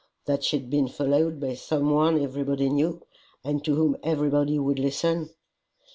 That she had been followed by some one everybody knew, and to whom everybody would listen!